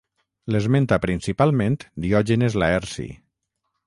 L'esmenta principalment Diògenes Laerci.